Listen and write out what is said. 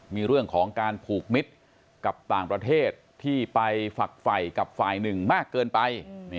มีเรื่องของการผูกมิตรกับต่างประเทศที่ไปฝักไฟกับฝ่ายหนึ่งมากเกินไป